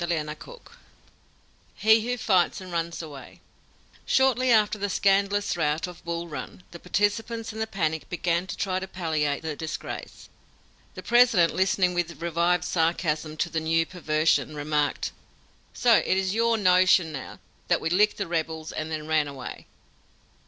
"HE WHO FIGHTS AND RUNS AWAY " Shortly after the scandalous rout of Bull Run, the participants in the panic began to try to palliate the disgrace. The President, listening with revived sarcasm to the new perversion, remarked: "So it is your notion now that we licked the rebels and then ran away!"